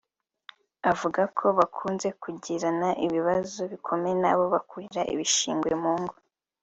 Avuga ko bakunze kugirana ibibazo bikomeye n’abo bakurira ibishingwe mu ngo